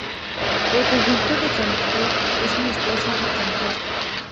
El conjunto de Cantor es un espacio de Cantor.